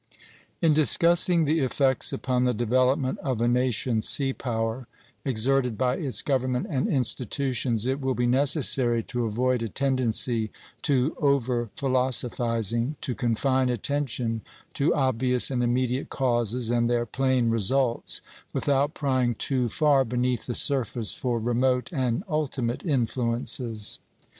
_ In discussing the effects upon the development of a nation's sea power exerted by its government and institutions, it will be necessary to avoid a tendency to over philosophizing, to confine attention to obvious and immediate causes and their plain results, without prying too far beneath the surface for remote and ultimate influences.